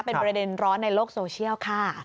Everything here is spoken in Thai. เป็นประเด็นร้อนในโลกโซเชียลค่ะ